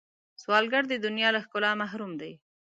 سوالګر د دنیا له ښکلا محروم دی